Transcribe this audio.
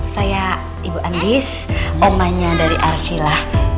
saya ibu andis omannya dari arsila